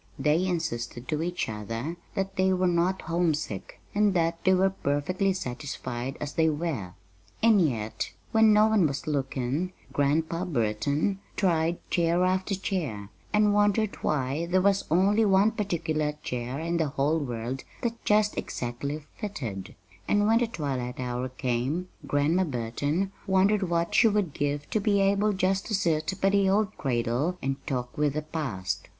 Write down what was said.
They insisted to each other that they were not homesick, and that they were perfectly satisfied as they were. And yet When no one was looking Grandpa Burton tried chair after chair, and wondered why there was only one particular chair in the whole world that just exactly "fitted;" and when the twilight hour came Grandma Burton wondered what she would give to be able just to sit by the old cradle and talk with the past.